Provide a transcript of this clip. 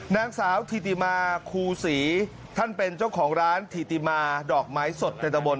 นางสาวถิติมาคูศรีท่านเป็นเจ้าของร้านถิติมาดอกไม้สดในตะบน